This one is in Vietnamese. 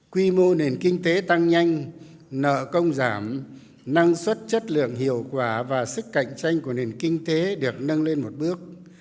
quy mô nền kinh tế tăng nhanh nợ công giảm năng suất chất lượng hiệu quả và sức cạnh tranh của nền kinh tế được nâng lên một bước